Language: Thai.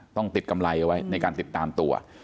ต้องติดกำไรเอาไว้ในการติดตามตัว